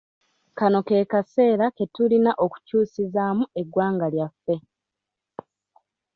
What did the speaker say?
Kano ke kaseera ke tulina okukyusizaamu eggwanga lyaffe Uganda.